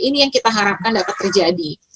ini yang kita harapkan dapat terjadi